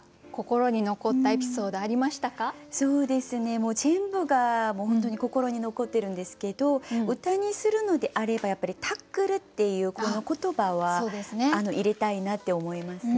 もう全部が本当に心に残ってるんですけど歌にするのであればやっぱり「タックル」っていうこの言葉は入れたいなって思いますね。